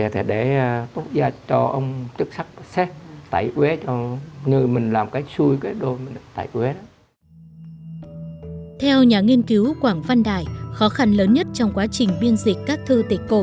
theo nhà nghiên cứu quảng văn đại khó khăn lớn nhất trong quá trình biên dịch các thư tịch cổ